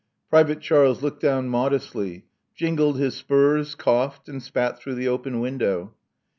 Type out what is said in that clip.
Private Charles looked down modestly; jingled his spurs; coughed; and spat through the open window.